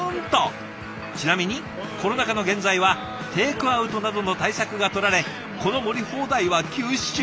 ちなみにコロナ禍の現在はテイクアウトなどの対策がとられこの盛り放題は休止中。